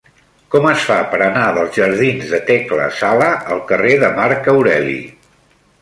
Com es fa per anar dels jardins de Tecla Sala al carrer de Marc Aureli?